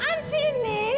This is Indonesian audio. apaan sih ini